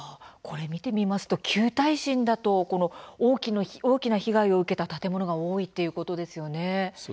見てみますと旧耐震だと大きな被害を受けた建物が多いということですね。